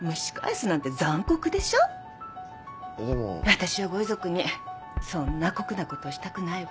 私はご遺族にそんな酷なことしたくないわ。